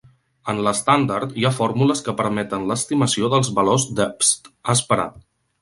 En l'estàndard hi ha fórmules que permeten l'estimació dels valors de Pst a esperar.